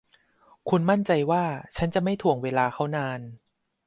คุณมั่นใจว่าฉันจะไม่ถ่วงเวลาเขานาน